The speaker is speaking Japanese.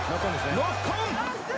ノックオン！